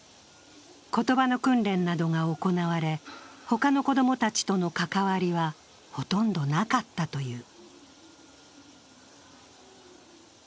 言葉の訓練などが行われ他の子供たちとの関わりはほとんどなかったという。